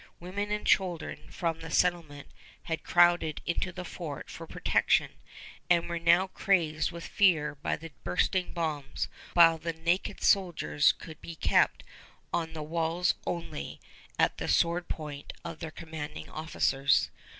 Women and children from the settlement had crowded into the fort for protection, and were now crazed with fear by the bursting bombs, while the naked soldiers could be kept on the walls only at the sword point of their commanding officers.